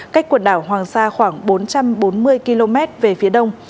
cách quần đảo hoàng sa khoảng bốn trăm bốn mươi km về phía đông